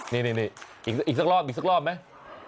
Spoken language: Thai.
นี่อีกสักรอบอีกสักรอบไหม